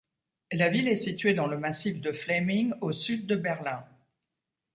La ville est située dans le massif de Fläming, au sud de Berlin.